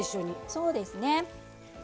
そうですね。